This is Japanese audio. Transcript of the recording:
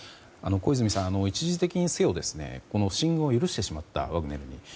小泉さん、一時的にせよ進軍を許してしまったワグネルに。